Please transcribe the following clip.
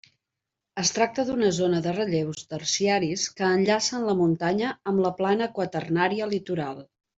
Es tracta d'una zona de relleus terciaris que enllacen la muntanya amb la plana quaternària litoral.